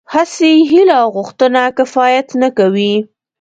هسې هيله او غوښتنه کفايت نه کوي.